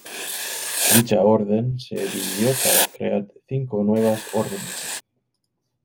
Dicha Orden se dividió para crear cinco nuevas órdenes.